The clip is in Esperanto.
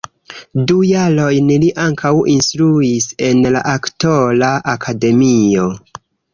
Du jarojn li ankaŭ instruis en la aktora akademio.